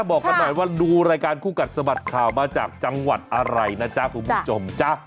บอกกันหน่อยว่าดูรายการคู่กัดสะบัดข่าวมาจากจังหวัดอะไรนะจ๊ะคุณผู้ชมจ๊ะ